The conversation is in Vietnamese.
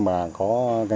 và những công nhân